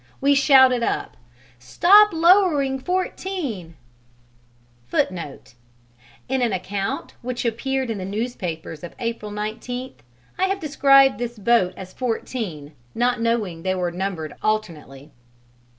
We shouted up, "Stop lowering 14," [Footnote: In an account which appeared in the newspapers of April 19 I have described this boat as 14, not knowing they were numbered alternately.